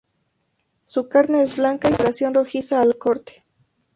Su carne es blanca, y toma coloración rojiza al corte.